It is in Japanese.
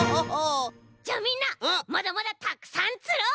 じゃあみんなまだまだたくさんつろう！